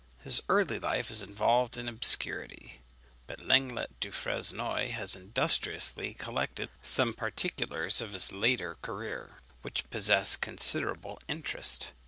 His early life is involved in obscurity; but Lenglet du Fresnoy has industriously collected some particulars of his later career, which possess considerable interest.